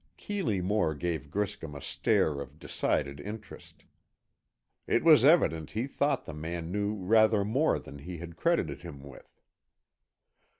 Keeley Moore gave Griscom a stare of decided interest. It was evident he thought the man knew rather more than he had credited him with.